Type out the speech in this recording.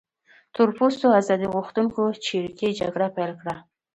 تور پوستو ازادي غوښتونکو چریکي جګړه پیل کړه.